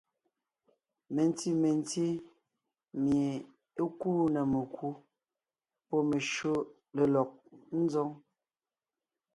Menti mentí mie é kúu na mekú pɔ́ meshÿó lélɔg ńzoŋ.